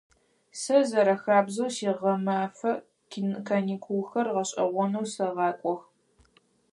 Сэ зэрэхабзэу сигъэмэфэ каникулхэр гъэшӏэгъонэу сэгъакӏох.